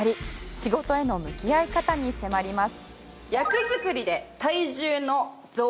仕事への向き合い方に迫ります。